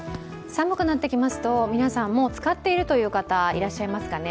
寒くなってきますと皆さん、もう使っているという方いらっしゃいますかね。